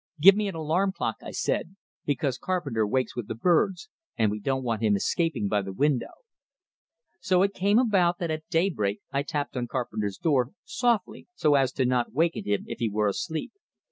"Give me an alarm clock," I said, "because Carpenter wakes with the birds, and we don't want him escaping by the window." So it came about that at daybreak I tapped on Carpenter's door, softly, so as not to waken him if he were asleep.